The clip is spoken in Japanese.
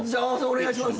お願いします。